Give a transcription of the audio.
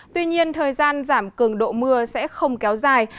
tuy nhiên thời gian giảm cường độ mưa sẽ không kéo dài